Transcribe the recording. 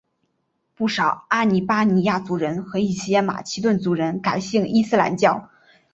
不少阿尔巴尼亚族人和一些马其顿族人改信伊斯兰教。